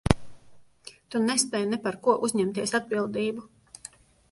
Tu nespēj ne par ko uzņemties atbildību.